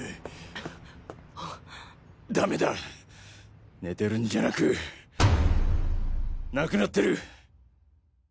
だめだ寝てるんじゃなく亡くなってる。